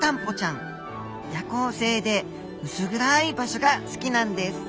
夜行性で薄暗い場所が好きなんです。